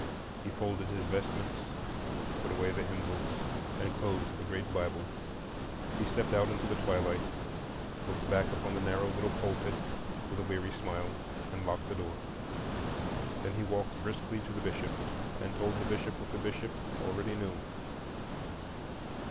He folded his vestments, put away the hymn books, and closed the great Bible. He stepped out into the twilight, looked back upon the narrow little pulpit with a weary smile, and locked the door. Then he walked briskly to the Bishop, and told the Bishop what the Bishop already knew.